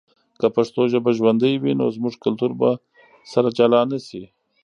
که پښتو ژبه ژوندی وي، نو زموږ کلتور به سره جلا نه سي.